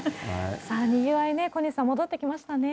さあ、にぎわいね、小西さん、戻ってきましたね。